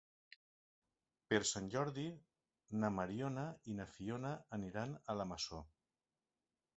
Per Sant Jordi na Mariona i na Fiona aniran a la Masó.